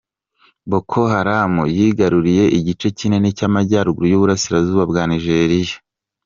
Boko Haram yigaruriye igice kinini cy’Amajyaruguru y’Uburasirazuba bwa Nigeria.